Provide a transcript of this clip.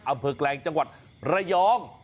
อำเภอแกลงจังหวัดระยอง